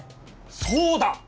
そうだ！